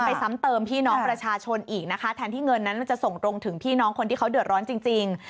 ซ้ำเติมพี่น้องประชาชนอีกนะคะแทนที่เงินนั้นมันจะส่งตรงถึงพี่น้องคนที่เขาเดือดร้อนจริง